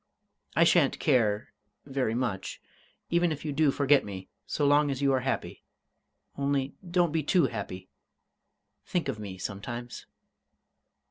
I shan't care very much even if you do forget me, so long as you are happy.... Only don't be too happy. Think of me sometimes!"